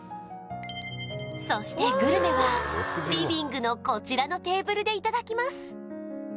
そしてグルメはリビングのこちらのテーブルでいただきます